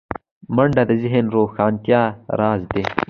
منډه د ذهن روښانتیا راز دی